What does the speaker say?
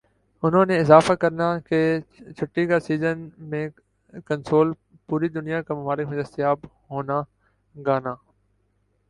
انہوں نے اضافہ کرنا کہ چھٹی کا سیزن میں کنسول پوری دنیا کا ممالک میں دستیاب ہونا گانا